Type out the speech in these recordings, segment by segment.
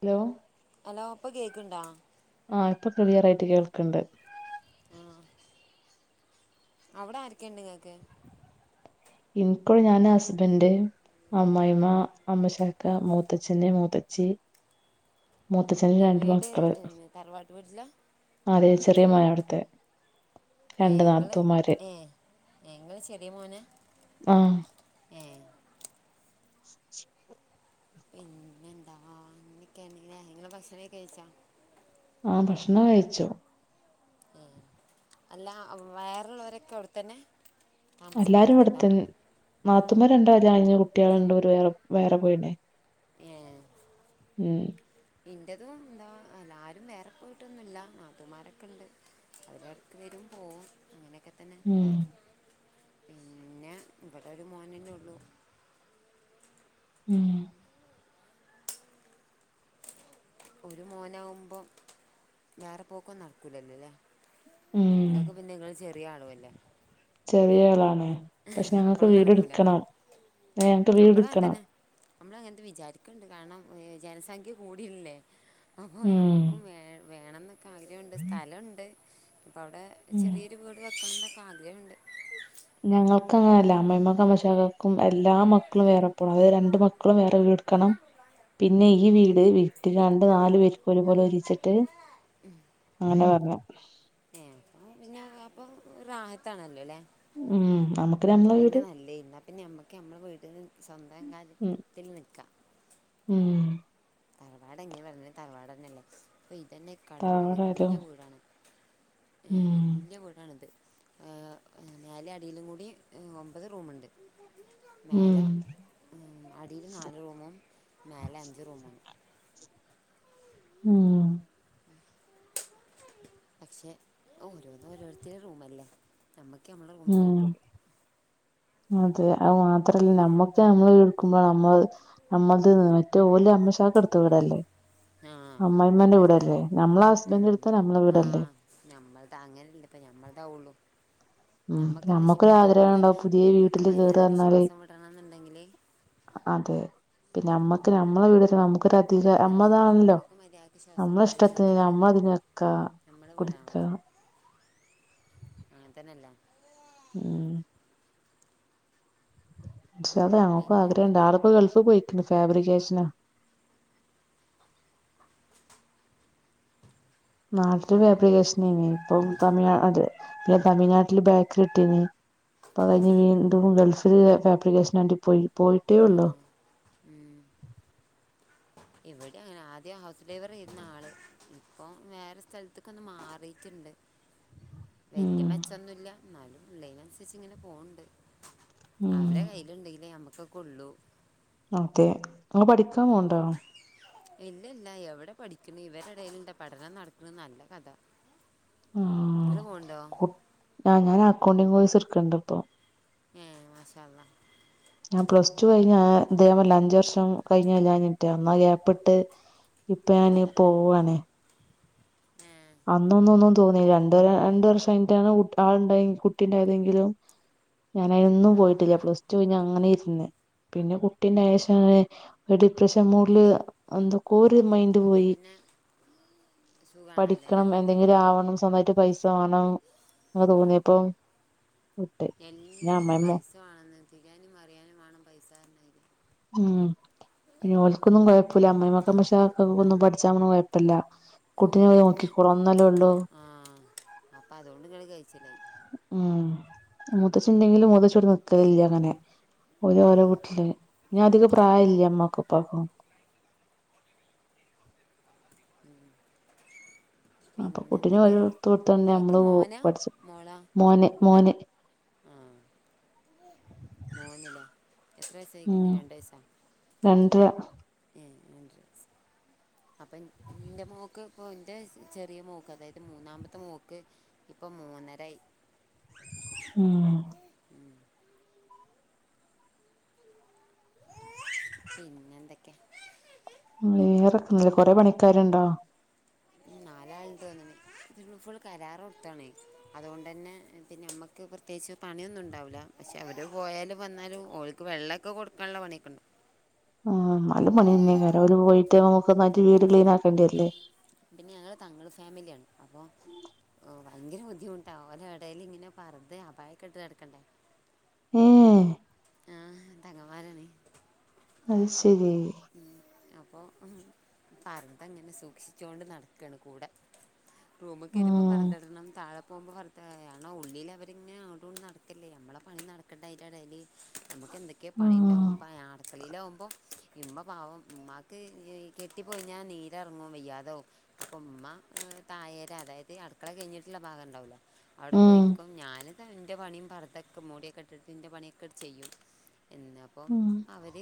Hello hello പ്പ കേക്ണ്ടോ? ആ ഇപ്പൊ ക്ലിയറായിട്ട് കേൾക്കണ്ട് ആഹ് അവടെ ആരക്കെയുണ്ട് നിങ്ങൾക്ക് ഇൻകൊള്ളു ഞാന ഹസ്ബന്റ് അ്മ്മായ്മ്മ അമ്മോശാക്ക മൂത്തച്ഛന് മൂത്തച്ച്ചി മൂത്തച്ഛന് ഏഹ് രണ്ട് വീട് മക്കള് ഉം, തറവാട്ട് വീട്ടിലാ അതെ ചെറിയമോനാ വ്ടുത്തെ ഏഹ് ങ്ങള് ഏ ഏ ങ്ങള് ചെറിയ മോനാ? ആഹ് ഏഹ് പിന്നെന്താ ങ്ങനെക്കെണല്ലേ ങ്ങള് ഭക്ഷണ കഴിച്ചോ? ആഹ് ഭക്ഷണം കഴിച്ചു ഏഹ് അല്ല വേറെ ള്ളോരൊക്കെ അവിടെത്തന്നെ താമസം മാറിട്ടുണ്ടോ? മാത്തുമാർരണ്ടാരാ ന്നി കുട്ടേള്ണ്ടോ ഓര് വേറെ പോ വേറെ പോയിട്ടണ്ട് ഏഹ് ഉം ഇന്റതും എന്താ അല്ല ആരും വേറെ പോയിട്ടൊന്നുല്ല നാത്തൂന്മാരൊക്കെണ്ട് ഓരേടക്കു വരും പോവും അങ്ങനെക്കെ തന്നെ ഉം പിന്നെ ഇവിടൊരു മോനന്നേ ഒള്ളു ഉം ഒരു മോനാവുമ്പം വേറെ പോക്കൊന്നും നടക്കൂലല്ലല്ലേ? ഉംഉ ഇങ്ങക്ക് പിന്നെ ഇങ്ങള് ചെറിയ ആളുഅല്ലേ? ചെറിയ ആളാണ് പക്ഷെ ഞങ്ങക്ക് അപ്പോഴും വീട് നടക്കൂല എടുക്കണം ഏ ഞങ്ങക്ക് വീട് നമ്മളും അങ്ങനെ എടുക്കണം തന്നെ നമ്മളങ്ങനത്തെ വിചാരിക്കണ്ട് കാരണം ജനസംഖ്യ കൂടിയല്ലേ? അപ്പോ ഉം ഞമ്മുക്കും വേ വേണംന്നൊക്കെ ആഗ്രഹോണ്ട് സ്ഥലോണ്ട് അപ്പോ അവടെ ഉം ചെറിയ ഒരുവീട് വെക്കണനൊക്കെ ആഗ്രഹണ്ട്. ഞങ്ങൾക്ക്ങ്ങനെല്ല അമ്മായ്മാക്കു അമ്മോഷാകാക്കും എല്ലാ മക്കളും വേറെപ്പോണം. അത് രണ്ട് മക്കളും വേറെ വീട് ക്കണം പിന്നെ ഈ വീട് വിറ്റ്ങ്ങാണ്ട് നാലു പേർക്ക് ഒരു പോലെ ഒര്യച്ചിട്ട് അങ്ങനെ പറഞ്ഞ ഏ അപ്പം പിന്നെ അപ്പം റാഹത്താണല്ലോ ല്ലേ? ഉം നമുക്ക് അ നമ്മളെ എന്നെ വീട് നല്ലേ ഇന്ന പിന്നെ ഞമ്മക്ക് നമ്മള വീട്ടല് സ്വന്തം ഉം കാര്യത്തിൽ നിൽക്കാം ഉം തറവാട് എങ്ങനെ പറഞ്ഞാലും തറവാടന്നെല്ലേ അപ്പൊ ഇതന്നെ തറവാട് തറവാടായാലും വല്ല്യയ വീടാണ്. ഏ ഉം വല്ല്യയ വീ ടാണത്. മേലെ അടിയിലും കൂടി ഒമ്പത് റൂമുണ്ട്. ഉം മേലെ. - അടീൽ നാല് റൂമും, മേലെ അഞ്ച് റൂമാണ്. ഉം. പക്ഷെ ഓരോന്ന് ഓരോരുത്തരെ റൂമല്ലെ? നമ്മക്ക് നമ്മളെ റൂമന്നെ ഉം കിട്ടൊള്ളൂ. അതെ അവ് മാത്രല്ല നമ്മുക്ക് നമ്മള എടുക്കുമ്പോ നമ്മള് അമ്മൾത് മറ്റേ ഓല അമ്മശാക്ക് എടുത്ത വിടല്ലേ? ആ അമ്മയിമ്മാന്റെ അത് ശാ വീടല്ലേ. നമ്മളെ ഹസ്ബൻഡ് എടുത്താ നമ്മളെ വീടല്ലേ? ഞമ്മൾതാ അങ്ങനെല്ലപ്പ ഞമ്മൾതാവൊള്ളു. ഉം നമുക്കന്ന്, നമ്മക്കൊരു ആഗ്രഹം മര്യാദയ്ക്ക് ഉണ്ടാവും പുതിയ നമുക്ക് വീട്ടില് കേറാ മര്യാദക്ക് പറഞ്ഞാല് ശ്വാസം വിടണം ന്നുണ്ടെങ്കില് അതെ. പിന്നെ നമ്മക്ക് നമ്മളെ വീട്, നമുക്കൊര ധിക അതാണ് അമ്മൾതാണല്ലോ? നമുക്ക് മര്യാദക്ക് ശ്വാസം നമ്മള ഇഷ്ടത്തിന് വിടണമെന്നുണ്ടെങ്കിലേ നമ്മള തിന് നിക്കാ നമ്മളെ വീടാവണം, അങ്ങൻതന്നെല്ലെ? ഉം. ഇൻഷാ അള്ളാഹ്. ഞങ്ങക്കും ആഗ്രഹണ്ട്. പിന്നെന്തൊക്കെയാ ആളിപ്പോ ഗൾഫ് പോയിക്ണ്. ഫാബ്രിക്കേഷനാ. നാട്ടില് പിന്നെ ഫാബ്രിക്കേഷനേനി. ഇപ്പം തമിഴ് അത് തമിഴ്നാട്ടില് ബേക്കറി ഇട്ടീനി. ഇപ്പൊ അത് കഴിഞ്ഞ് വീണ്ടും ഗൾഫില് ഫാബ്രിക്കേഷന് വേണ്ടി പോയി. ആ പോയിട്ടേയൊള്ളൂ. ഉം. ഇവടിം അങ്ങനെ, ആദ്യം ഹൗസ് ഡ്രൈവറേര്ന്നു ആള്. ഇപ്പൊ വേറെ സ്ഥലത്ത്ക് ഒന്ന് മാറീട്ടുണ്ട്. വല്യ ഉം മെച്ചൊന്നുല്ല. എന്നാലും ഇള്ളെനൻസരിച്ച് ഇങ്ങനെ പോവ്ണ്ട്. ഉം. ഓലെ കയ്യില്ണ്ടെങ്കിലേ നമുക്കൊക്കൊള്ളൂ. അതെ. ങ്ങള് പഠിക്കാൻ പോവ്ണ്ടോ? ഇല്ലല്ല. എവിടെ പഠിക്ക്ണ്, ഇവരെടേൽണ്ടൊ പഠനം നടക്ണ്. നല്ല കഥ. ആഹ് ഇങ്ങള് പോവ്ണ്ടോ? കു ആഹ്. ഞാൻ അക്കൗണ്ടിംങ് കോഴ്സ് ഇട്ക്ക്ണ്ട് ഇപ്പം ഏഹ്. മാഷാഅള്ളാഹ് ഞാൻ പ്ലസ്ടു കഴിഞ് അഹ് ഇത് ഞാൻ പർഞിലേ അഞ്ച് വർഷം കഴിഞ്ഞാ അന്നാ ഗ്യാപ്പിട്ട്. ഇപ്പ ഞാന് പോവാണ്. ഏ അന്നൊന്നും ഒന്നും തോന്നിലാ. രണ്ടര രണ്ട് വർഷം കഴിഞ്ഞിട്ടാണ് ആൾണ്ടായ കുട്ടീണ്ടായതെങ്കിലും. ഞാനയിനൊന്നും ആ ആ പോയിട്ടില്ല. പ്ലസ്ടു കഴിഞ്ഞങ്ങനെ ഇരുന്ന്. പിന്നെ കുട്ടിണ്ടായേഷാണ് ഒര് ഡിപ്രഷൻ മൂഡില് എന്തൊക്കൊ ഒരു മൈൻഡ് അപ്പോൾ പോയി. പിന്നെ സുഖമാണല്ലോ അല്ലേ പഠിക്കണം, എന്തെങ്കിലും ആവണം, സ്വന്തായിട്ട് പൈസ വാണം. അങ്ങ തോന്നിയേപ്പം എല്ലത്തിനും പൈസ വാണം. തിരിയാനും മറിയാനും വാണം പൈസാർഞ്ഞമാതിരി ഉം. പിന്നെ ഓൽക്കൊന്നും കുഴപ്പൂല്ല. അമ്മയ്മാക്ക് അമ്മോഷൻ കാക്കാക്കൊന്നും പഠിച്ചാൻ പോണ കൊയ്പ്പല്ല. ആഹ് അപ്പൊ പിന്നെ, ആഹ് അപ്പ അതോണ്ട് ഇങ്ങൾ കയ്ച്ചിലായി. ഉം. മൂത്തച്ചിണ്ടെങ്കിലും മൂത്തച്ചിവിടെ നിക്കലില്ലങ്ങനെ. ഓലോലെ വീട്ടില്. പിന്നധികം പ്രായല്ല്യ ഉമ്മാക്കുംപ്പാക്കും. ഉം. അപ്പൊ കുട്ടിനെ ഓലട്ത്ത് കൊടുത്താണ്ട് നിങ്ങൾക്ക് നമ്മള് പോവും മോനാ പഠിച്ച്. മോളാ മോന് മോന്. മോന്ലെ. എത്ര ഉം വയസായിക്ക്ന്ന് രണ്ട് വയസ്സോ? രണ്ടര. ഏഹ്. രണ്ടര വയസ് അപ്പം ഇൻ്റെ മോക്ക്, ഇപ്പോ ൻ്റെ ചെറിയ മോക്ക്, അതായത് മൂന്നാമത്തെ മോക്ക്. ഇപ്പം മൂന്നരായി. ഉം. ഉം. പിന്നെന്തൊക്കെ? വേറെ ക്ന്നില്ല. കൊറെ പണിക്കാര്ണ്ടോ? നാലാള്ണ്ട് തോന്ന്ണ്. ഇത് ഫുൾ കരാർ കൊടുത്താണെ അതോണ്ടന്നെ പിന്നെ നമ്മ ക്ക് പ്രത്യേകിച്ച് പണിയൊന്നും ഉണ്ടാവുലാ. പക്ഷേ അവര് പോയാലും വന്നാലും ഓൽക്ക് വെള്ളൊക്കെ കൊടുക്കാള്ള പണിയൊക്കെ ഉണ്ടാം ആഹ് ഇന്നാലും പണ്യെന്നെക്കാരം. ഓല് പോയിട്ട് നമുക്കൊന്നായ്ട്ട് വീട് ക്ലീൻ ആക്കണ്ടി വര്ല്ലേ പിന്നെ ഞങ്ങള് തങ്ങൾ ഫാമിലിയാണ് അപ്പം ഓഹ് ഭയങ്കര ബുദ്ധിമുട്ടാ. ഓലെ എടേല് ഇങ്ങനെ പർദ്ദേ അപായെ ഒക്കെട്ട് നടക്കണ്ടേ ഏഹ് ആഹ്. തങ്ങമ്മാരാണെ അത് ശരി ഉ അപ്പോൾ അപ്പ പറന്തങ്ങനെ സൂക്ഷിച്ചോൊണ്ട് നടക്കണ് കൂടെ റൂമിൽ കയറുമ്പോൾ ഉം ഫർദ്ദ ഇടണം താഴെ പോകുമ്പോൾ ഫർ ഇ ആണോ ഉള്ളിിൽ അവരിങ്ങനെോടുകണ്ട് നടത്തില്ലേ നമ്മളെ പണി നടക്കേണ്ടായില്ല ഡൈലി നമുക്ക് എന്തൊക്കെയോ പണി ഉം ഉണ്ടാവും അടുത്തയിലാകുമ്പോൾ ഉമ്മ പാവം ഉമ്മാക്ക് കെട്ടിപ്പോയിഞ്ഞാൽ നീരിറങ്ങും വയ്യാതോ ഉമ്മ തായേര അതായത് അടുക്കള കഴിഞ്ഞിട്ടുള്ള ഭാഗം ഉണ്ടാവലോ അവിടെ ഉം പോയിരിക്കും ഞാൻ എന്റെ പണിയും പറുതൊക്കെ മൂടിയൊക്കെ ഇട്ട് ഇന്റെ പണിയൊക്കെ ചെയ്യും എന്നപ്പം ഉം അവർ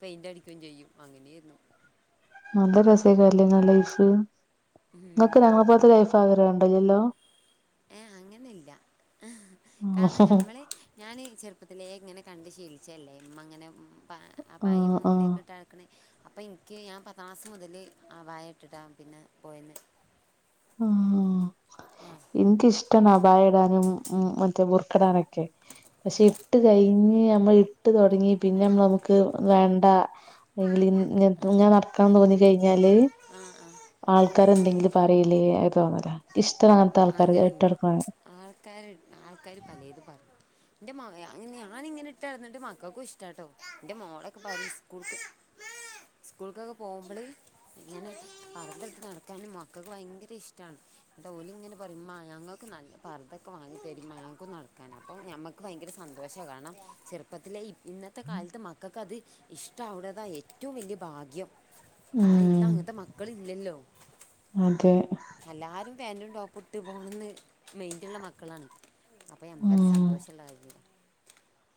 പെയിൻറ് അടിക്കുകയും ചെയ്യും അങ്ങനെരുന്നു നല്ല രസക്ക അല്ലേങ്ങ ലൈഫ് ഉം നിങ്ങൾക്ക് ഞങ്ങളൾ പോലത്തെ ലൈഫ് ആഗ്രഹം ഉണ്ടല്ലോ ഏഹ അങ്ങനല്ല കാരണം ആഹ് ഞമ്മള് ഞാൻ ഈ ചെറുപ്പത്തിലെ ഇങ്ങനെ കണ്ട് ശീലിച്ചല്ലേ ഇ അങ്ങനെ പ പായയും ആഹ് മൂടിയൊക്കെ ഇട്ട് ആക്കണേ അപ്പോം എനിക്ക് ഞാൻ പത്ത് ക്ലാസ്സ് മുതൽ ആ വായ ഇട്ടിട്ടാണ് പിന്നെ പോയന്ന് ആ ആ എനിക്ക് ഇഷ അഭായടാനും ഉ മറ്റേ മുറക്കടാനൊക്കെ പക്ഷെ ഇട്ട് കഴിഞ്ഞ നമ്മൾ ഇട്ട് തുടങ്ങി പിന്നെ നമുക്ക് വേണ്ട അല്ലങ്കിൽ ഞാൻ നടക്കന്ന് തോന്ന കഴിഞ്ഞാല് ആഹ ആഹ ആൾക്കാരെ എന്തെങ്കിലും പറയല്ലേ തോന്നല ഇഷ്ടം അങ്ങനത്തെ ആൾക്കാര് അങ്ങനെ എന്ത് ഇട്ടിടുക്ക ആൾക്കാർ ആൾക്കാാര് പലതു പറയും എന്റെ മ ഞാന ഇങ്ങനെ ഇട്ട് ഇടന്നിണ്ട് മക്കൾക്കും ഇഷ്ടാട്ടോ എന്റെ മോളൊക്കെ പറയ സ്കൂൾക്ക് സ്കൂൾക്കൊക്കെ പോകുമ്പോള ഇങ്ങനെ പറത്തടുത്ത് നടക്കാനും മക്കൾക്ക് ഭയങ്കര ഇഷ്ടമാണ് അ ഓല ഇങ്ങനെ പറയുംമ്പ ഞങ്ങൾക്ക് നല്ല പർുതൊക്കെ വാങ്ങി തരുമ്പോ ഞങ്ങക്കക്ക് നടക്കാന അപ്പ ഞമ്മുക്ക് ഭയങ്കര സന്തോഷം കാണണം ചെറുപ്പത്തിലെ ഇന്ന ഇത്തെ കാലത്ത് മക്കൾക്ക് അത് ഇഷ്ടവിടതാണ് ഏറ്റവും വലിയ ഭാഗ്യം ആണ ഇന്ന ഉം അങ്ങത്തെ മക്കൾ ഇല്ലല്ലോ അതെ എല്ലാരും പാാന്റും ടോപ്പും ഇട്ട് പോണംന്ന് മെയിന്റ്റുള്ള മക്കളാണ് അപ്പൊഞമ്മക്ക് അത് ഉം സന്തോഷം ഉള്ള കാര്യമല്ലെ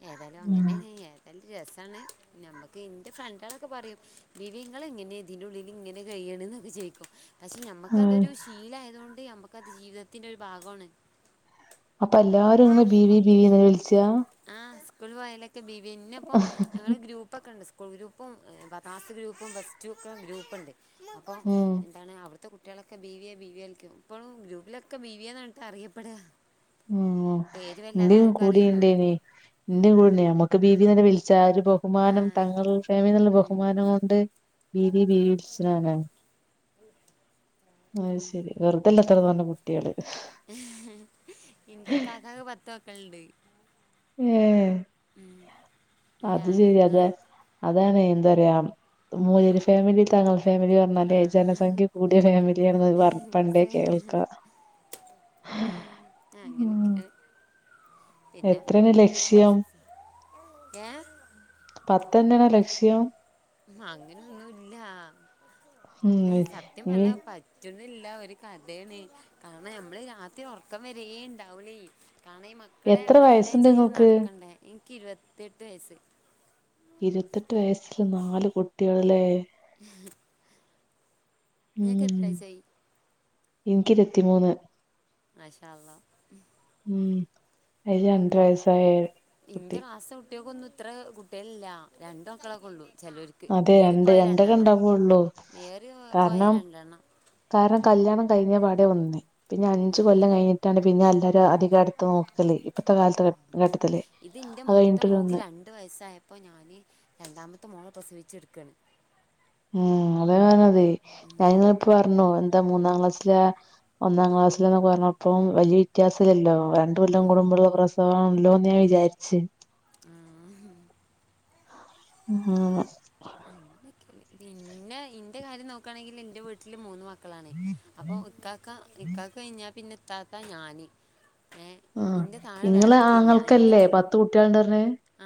ഏതായാലും ഉം അങ്ങനെയ ഏതായാലും രസമാണ് നമ്മുക്ക് എന്റെ ഫ്രണ്ട ആളൊക്കെ പറയും വിവങ്ങൾ എങ്ങനെ ഇതിനുള്ളിൽ ഇങ്ങനെ കഴിയണ എന്നൊക്കെ ചോയിക്കും പക്ഷെ ഞമ്മുക്ക ഉം അതൊരു ശീല ആയതുകൊണ്ട് നമുക്ക്ത് ജീവിതത്തിന്റെ ഒരു ഭാഗമാണ് അപ്പൊ എല്ലാരും ഇങ്ങനെ ബീവി താടിയിലൊക്കെ ബീവിെ വിളിച്ചാ ഇവരിക്കും ആ സ്കൂൾ പോയലൊക്കെ ബി ബ പിന്നെ ഇപ്പോൾ ഞങ്ങൾ ഗ്രൂപ്പ് ഒക്കെ ഉണ്ട് ഗ്രൂപ്പും ബദാസ് ഗ്രൂപ്പും ബസ് ടു ഒക്ക ഗ്രൂപ്പുണ്ട് അപ്പൾ ഉം എന്താണ് അവിടുത്തെ കു കുട്ടികളൊക്കെ ബീ വിിയ ബി വിിക്കും ഇപ്പോും ഗ്രൂപ്പിലൊക്കെ ബീ വിിയന്ന് പറഞ്ഞട്ട് അറിയപ്പെടുക ഉം പേര് വല്ലാതെ എന്തും ആർക്കും അറിയണ്ടാവില്ല കൂടണ്ടേന എന്റെ കൂടെന്നേ നമുക്ക് ബിബി തന്നെ വിളിച്ചാ പോ ആ ബഹുമാനം തങ്ങൾ ഫമിലിന്നുള്ള ഉം, ബഹുമാനം കൊണ്ട് രീതി വീളിച്ചിടാണ് ആഹ ശരി വെറുതല്ലാ ഇത്ര വന്ന കുട്ടികള് എന്റെ ഇക്കാക്ക് പത്ത് മക്കളുണ്ട് ഉം ഏ എൻ്റെ അത് ശരി ആങ്ങൾക്ക് അതെ അതാണ് എന്താ ഒരു പറയാ മൂലര് ഫാമിലി തങ്കൾ ഫാമിലി ആ മതേ ജനസംഖ്യ കൂടിയ ഫാമിലിയാണ പറ പണ്ടേ കേൾക്കാം ഉ ആ അങ്ങനെ ഒക്കെ എത്രാണ് ലക്ഷ്യം ഏ പത്തന്നണ ലക്ഷ്യം ഉം അങ്ങനെന്നുല്ലാ ഉം സത്യം ഇനി പറഞ്ഞ പ പറ്റന്നില്ല ഒരു കഥയാണ് കാരണം ഞമ്മള് രാത്രി ഒറക്കം വരേ ഉണ്ടാവൂലേ കാരണം ഈ മക്കളെ എത്ര മാനേജ് വയസ്സുണ്ട് ചെയ്ത് നിങ്ങൾക്ക് നടക്കണ്ടേ എനിക്ക് ഇരുപത്തി എട്ട് വയസ്സ് ഇരുപത്തെട്ട് വയസ്സില് നാല് കുട്ടികള് അല്ലെ ഉം നിങ്ങക്ക് എത്ര ഉം വയസായി എനിക്ക് ഇരുപത്തിമൂന്ന് മാഷ അള്ള ഉം അതില് രണ്ടര അപ്പം വയസ്സായ കുട്ടി ഇന്റെ ക്ലാസ കുട്ടിയക്ക് ഒന്ന് ഇത്ര കുട്ടികളില്ല രണ്ട് മക്കളൊക്കെ ഒള്ളൂ ചിലവര് ക്ക് അതെ രണ്ട് ഏറിപ്പോയൽ രണ്ടര രണ്ടെണ്ണം ഉണ്ടാവുള്ളൂ ഏറി പോയൽ കാരണം രണ്ടെണ്ണം കാരണം കല്യാണം കഴിഞ്ഞ പടെ ഒന്ന് പിന്നെ ആ അഞ്ച് കൊല്ലം കഴിഞ്ഞിട്ടാണ് പിന്നെ എല്ലരും അധികം അടുത്ത് നോക്കലേ ഇത് എന്റെ മൂത്ത കഴിഞ്ഞിട്ടൊരു മോക്ക് ഒന്ന് രണ്ട് രണ്ട് വയസ്സായപ്പോൾ ഞാന് രണ്ടാമത്തെ മോളെ പ്രസവിച്ചെടുക്കയാണ് ഉം അതേ അതെ ഞാനിങ്ങിപ്പോ പറഞ്ഞു എന്താ മൂന്നാം ക്ലാസ്സില ഒന്നാം ക്ലാസ്സിലാന്ന് പറഞ്ഞപ്പം വലിയ വ്യത്യാസം ഇല്ലല്ലോ ഉം. തുല്ലം കൂടുമ്പോള്ള പ്രസവാണല്ലോ എന്ന് ഞാൻ വിചാരിച്ചു ഉം അങ്ങനെ പിന്നെ എന്റെ കാര്യം നോക്കുകയാണെങ്കിൽ എന്റെ വീട്ടില് മൂന്ന് മ മക്കളാണേ അപ്പോൾ ഇക്കാക്ക ഇക്കക്ക് കഴിഞ്ഞാൽ പിന്നെ ഇത്താത്ത ഞാന് ഏഹ് ആഹ് ഇന്റെ താഴേ വേറെ ഇങ്ങളെ കുട്ടിയില്ല ആങ്ങൾക്കല്ലേ എന്റെമ്മ പത്ത്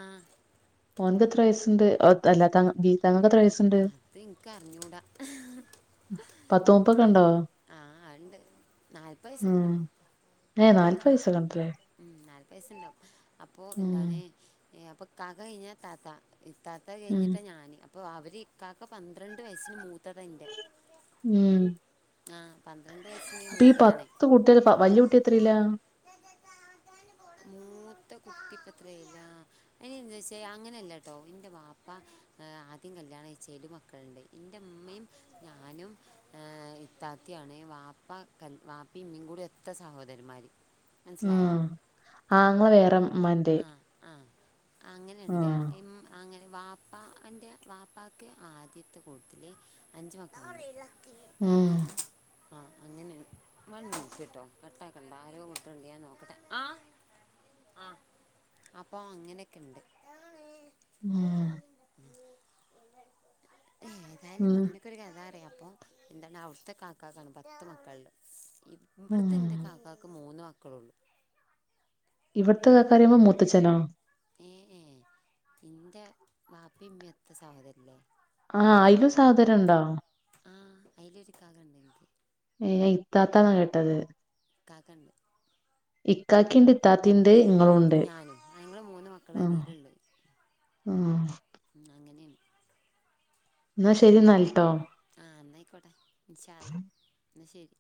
ആഹ് ഓൻക് എത്ര വയസുണ്ട് അല്ലാ ത തങ്ങൾക്ക് എത്ര ഇപ്പ വയസ്സുണ്ട് അത് എനക്ക് അറിഞ്ഞൂടാ ഇപ്പൊ കണ്ടോ ആഹ് അണ്ട് ഉം ഏ നാല്പ് വയസക്കെണ്ട്ല്ലേ ഉം നാല്പ് വയസുണ്ടാവും അപ്പോ ഉം എന്താണ് അപ്പൊ ഇക്കക കഴിഞ്ഞാ ഇതാത്ത ഇത്താത്ത ഉം കഴിഞ്ഞിട്ടാണ് ഞാന് അപ്പോൾ അവർ ഇക്കക്ക് പന്ത്രണ്ട് വയസ്സിന് മൂത്തതതിൻ്റെ ഉം ആഹ് പന്ത്രണ്ട് വയസ്സിന് മൂത്തതാണേ ഇ ക കുട്ടിയ വല്യ കുട്ടി എത്രല്ലാ മൂത്ത കുട്ടി ഇപ്പൊ എത്രയിലാ ഏയ്യ എന്ന് വച്ചാ അങ്ങനെയല്ല കേട്ടോ എന്റെ ബാപ്പ ആദ്യം കല്യാണം കഴിച്ചേൽ മക്ക മക്കളുണ്ട് എന്റെ ഉമ്മയും ഞാനും ഏ ഇത്താത്തിയാണ് വാപ്പ വാപ്പി ഇമ്മയും കൂടി എത്ര സഹോദരമാര് ഉം ആങ്ങള വേറെമാന്റെ ആ ആ അങ്ങനെയുണ്ട് ഇമ്മ അങ്ങനെ വാപ്പാ എൻ്റെ വാപ്പക്ക് ആദ്യത്തെ കൂടതില് അഞ്ച് മക്കള് ആഹ് ആഹ് അങ്ങനെ വൺ മിനിറ്റ് കേട്ടോ കട്ടാക്കണ്ട ആരോ മുട്ടണ് ഒണ്ട് ഞാൻ നോക്കട്ടെ ആ ആഹ് അപ്പൊ അങ്ങനെക്കെ ഇണ്ട് മ്മ് ഉം എന്തായലും അങ്ങനെ [unintelligible] റിയാം അപ്പം എന്തണ അവിടുത്തെ കാക്കാണ് പത്ത് മക്കള് ണ്ട് ഇവിടുത്തെ ഉം ൻ്റെ കാക്കക്ക് മൂന്ന് മക്കള ഉള്ളു ഇവിടത്തെ കാക്കാറിമ്പോ മുത്തച്ഛനോ ഏ ഏ ഇന്റെ ബാപ്പിമ്മത്തെ സഹോദരല്ലേ ആഹ് അയ്‌ലും സഹോധരൻ ഉണ്ടോ ആഹ് അയ്‌ല് ഒരു ഇക്കാക്കണ്ടേനി ഏ ഇത്താത്താ കേട്ടത് ക്കാകണ്ട് ഇക്കാക്കി ഇണ്ട് ഇത്താത്തിണ്ട് ഇങ്ങളുണ്ട് ഞാനും ഞങ്ങൾ മൂന്ന് മക്കൾ ഉം ഉം അങ്ങനെണ് ന്നാ ശരി എന്നാല് ട്ടോ ആഹ് ന്നായിക്കോട്ടെ ഇന്ഷാ അള എന്ന ശരി